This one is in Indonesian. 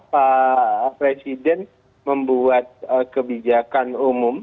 pak presiden membuat kebijakan umum